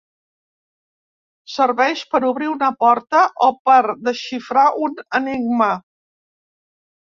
Serveix per obrir una porta o per desxifrar un enigma.